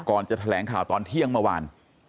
ก่อนจะแถลงข่าวตอนเที่ยงเมื่อวาน